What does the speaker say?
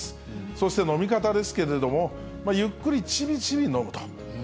そして飲み方ですけれども、ゆっくり、ちびちび飲むと。